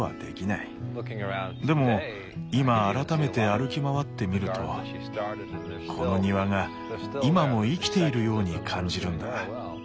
でも今改めて歩き回ってみるとこの庭が今も生きているように感じるんだ。